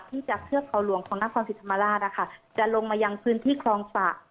ที่จากเทือกเขาหลวงของนครศรีธรรมราชนะคะจะลงมายังพื้นที่คลองสะ